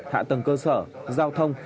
hạ tầng cơ sở giao thông